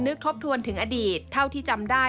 ทบทวนถึงอดีตเท่าที่จำได้